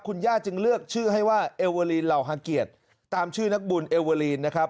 คุณย่าจึงเลือกชื่อให้ว่าเอลเวอลีนเหล่าฮาเกียจตามชื่อนักบุญเอเวอลีนนะครับ